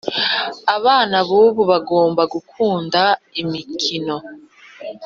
abana bubu bagomba gukunda imikino